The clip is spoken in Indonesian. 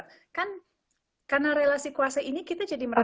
kan karena relasi kuasa ini kita jadi merasa ya